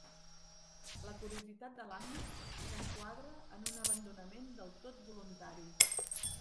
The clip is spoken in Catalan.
La curiositat de l'Anna s'enquadra en un abandonament del tot voluntari.